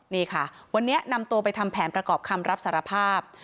นี่ค่ะวันนี้นำตัวไปทำแผนประกอบคำรับสารภาพ